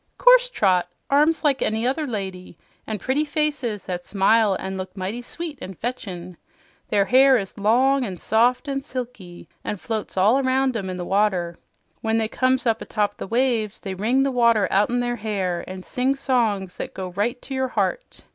"'Course, Trot; arms like any other lady. An' pretty faces that smile an' look mighty sweet an' fetchin'. Their hair is long an' soft an' silky, an' floats all around 'em in the water. When they comes up atop the waves, they wring the water out'n their hair and sing songs that go right to your heart.